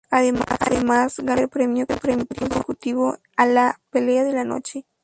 Además, ganó su tercer premio consecutivo a la "Pelea de la Noche".